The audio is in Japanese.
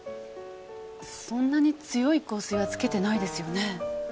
そんなに強い香水はつけてないですよね？